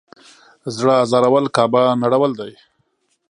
زړه ازارول کعبه نړول دی.